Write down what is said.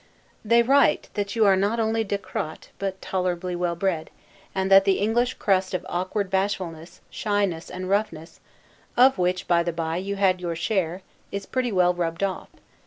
They write, that you are not only 'decrotte,' but tolerably well bred; and that the English crust of awkward bashfulness, shyness, and roughness (of which, by the bye, you had your share) is pretty well rubbed off.